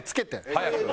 早く。